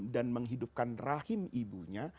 dan menghidupkan rahim ibunya